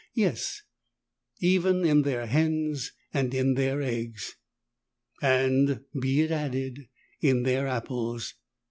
Yea, even in their hens and in their eggs— and, be it added, in their apples.